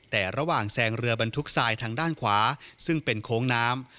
แต่ระหว่างแซงเรือบรรทุกทรายทางด้านขวาซึ่งเป็นโค้งน้ำ